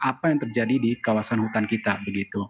apa yang terjadi di kawasan hutan kita begitu